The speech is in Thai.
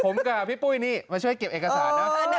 ผมกับพี่ปุ้ยนี่มาช่วยเก็บเอกสารนะ